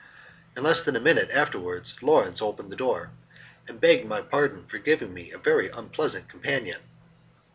In less than a minute afterwards Lawrence opened the door, and begged my pardon for giving me a very unpleasant companion.